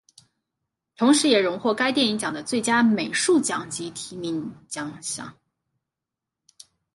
同时也荣获该电影奖的最佳美术奖及提名奖项。